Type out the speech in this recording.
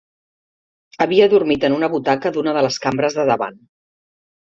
Havia dormit en una butaca d'una de les cambres de davant.